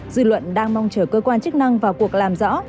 dư luận đang mong chờ cơ quan chức năng vào cuộc làm rõ